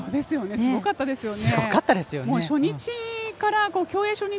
すごかったですよね。